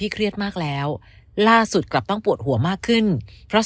เครียดมากแล้วล่าสุดกลับต้องปวดหัวมากขึ้นเพราะ